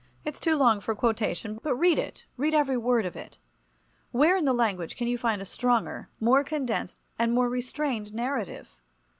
It's too long for quotation—but read it, read every word of it. Where in the language can you find a stronger, more condensed and more restrained narrative?